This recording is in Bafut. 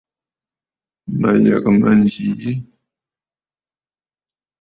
Mə̀ yə̀gə̀ mə̂ yi nzi.